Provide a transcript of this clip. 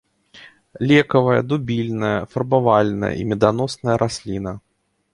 Лекавая, дубільная, фарбавальная і меданосная расліна.